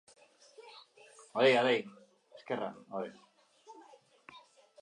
Astelehenetik aurrera hasiko dira bazkideak baja aurkezten.